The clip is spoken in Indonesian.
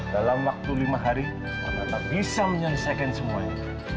dalam waktu lima hari pak natal bisa menyelesaikan semuanya